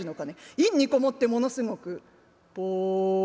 陰に籠もってものすごくボン。